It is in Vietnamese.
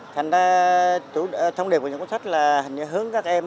thành ra trong đề của những cuốn sách là hình hướng các em